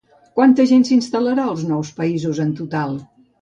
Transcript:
Quanta gent s'instal·larà als nous països en total?